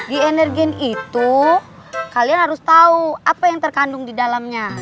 di energen itu kalian harus tahu apa yang terkandung didalamnya